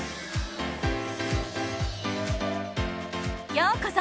ようこそ！